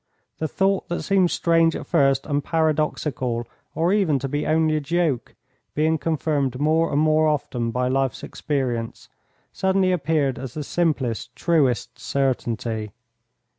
The thought that seemed strange at first and paradoxical or even to be only a joke, being confirmed more and more often by life's experience, suddenly appeared as the simplest, truest certainty.